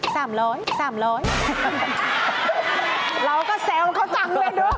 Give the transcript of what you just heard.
แซมเขาจังเลยด้วย